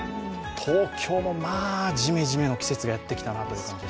東京も、まあジメジメの季節がやってきたなと。